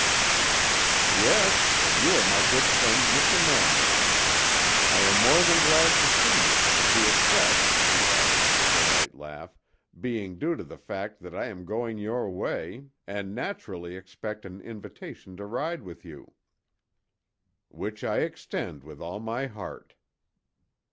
"Yes; and you are my good friend Mr. Manrich. I am more than glad to see you—the excess," he added, with a light laugh, "being due to the fact that I am going your way, and naturally expect an invitation to ride with you." "Which I extend with all my heart."